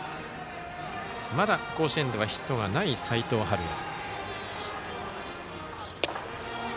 まだ甲子園ではヒットがない齋藤敏哉。